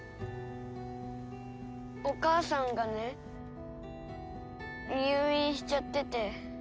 お母さんがね入院しちゃってて。